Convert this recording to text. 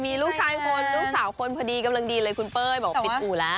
มีลูกชายคนลูกสาวคนพอดีกำลังดีเลยคุณเป้ยบอกว่าปิดอู่แล้ว